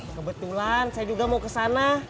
kebetulan saya juga mau kesana